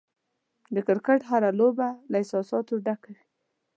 د کرکټ هره لوبه له احساساتو ډکه وي.